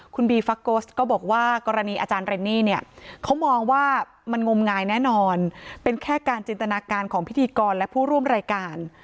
คุณบีฟักโกสก็บอกว่ากรณีอาจารย์เรนนี่เนี่ยเขามองว่ามันงมงายแน่นอนเป็นแค่การจินตนาการของพิธีกรและผู้ร่วมรายการ